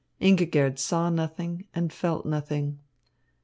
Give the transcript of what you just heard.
Ingigerd saw nothing and felt nothing.